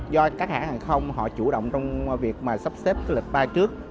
do các hãng hàng không họ chủ động trong việc mà sắp xếp lịch bay trước